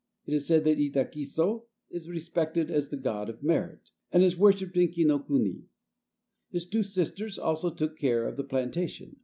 It is said that Idakiso is respected as the god of merit, and is worshipped in Kinokuni. His two sisters also took care of the plantation.